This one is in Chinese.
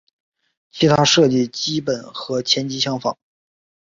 其他设计基本和前级相仿。